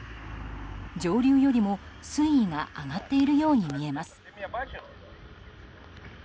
上流よりも水位が上がっているように見えます。